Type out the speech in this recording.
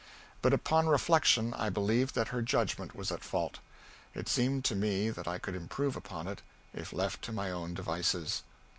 But upon reflection I believed that her judgment was at fault. It seemed to me that I could improve upon it if left to my own devices.